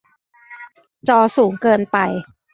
จอสูงเกินไป